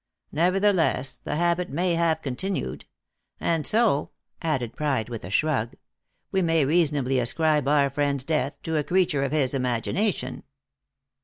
Nevertheless, the habit may have continued; and so," added Pride with a shrug, "we may reasonably ascribe our friend's death to a creature of his imagination."